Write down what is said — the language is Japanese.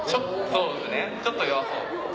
そうですねちょっと弱そう。